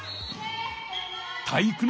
体育ノ